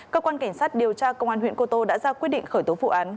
cơ quan cảnh sát điều tra công an huyện cô tô đã ra quyết định khởi tố vụ án